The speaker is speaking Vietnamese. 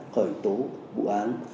khởi tố bụi an